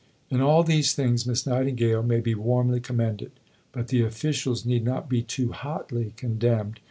IV In all these things Miss Nightingale may be warmly commended, but the officials need not be too hotly condemned.